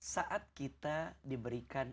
saat kita diberikan